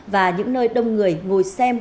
và những nơi đông người ngồi xem